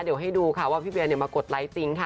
เดี๋ยวให้ดูค่ะว่าพี่เวียมากดไลค์จริงค่ะ